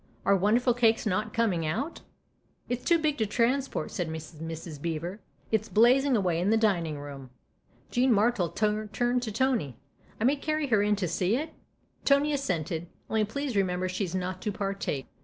" Our wonderful cake's not coming out?" 184 THE OTHER HOUSE " It's too big to transport," said Mrs. Beever :" it's blazing away in the dining room." Jean Martle turned to Tony. " I may carry her in to see it ?" Tony assented. " Only please remember she's not to partake."